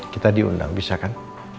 kita diundang bisa kan